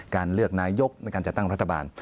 เลือกนายกในการจัดตั้งรัฐบาล